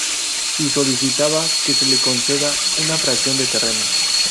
Y solicitaba que se le conceda una fracción de terreno.